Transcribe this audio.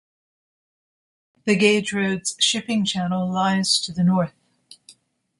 The Gage Roads shipping channel lies to the north.